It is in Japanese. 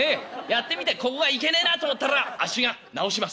やってみてここがいけねえなと思ったらあっちが直します」。